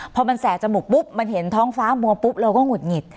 พอมันแสกจมูกปุ๊บมันเห็นท้องฟ้ามัวปุ๊บเราก็หงุดหงิด